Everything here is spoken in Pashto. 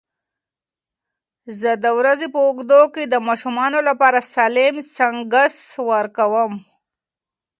زه د ورځې په اوږدو کې د ماشومانو لپاره سالم سنکس ورکوم.